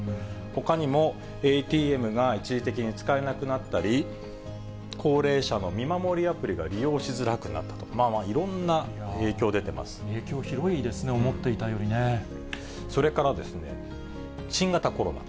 ほかにもＡＴＭが一時的に使えなくなったり、高齢者の見守りアプリが利用しづらくなったと、まあまあ、いろん影響広いですね、思っていたそれからですね、新型コロナ。